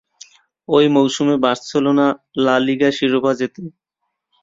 ঐ মৌসুমে Barcelona La Liga শিরোপা জেতে।